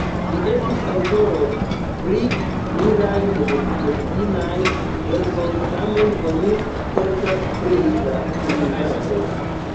Li estis aŭtoro pri pluraj medicinaj verkoj, tamen oni ne certas pri la lingvaĵo.